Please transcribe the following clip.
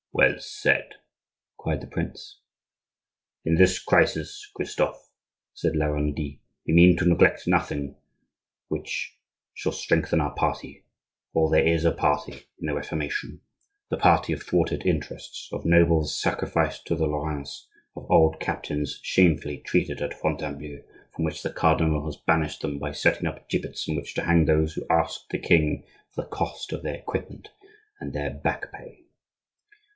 "Well said!" cried the prince. "In this crisis, Christophe," said La Renaudie, "we mean to neglect nothing which shall strengthen our party,—for there is a party in the Reformation, the party of thwarted interests, of nobles sacrificed to the Lorrains, of old captains shamefully treated at Fontainebleau, from which the cardinal has banished them by setting up gibbets on which to hang those who ask the king for the cost of their equipment and their back pay."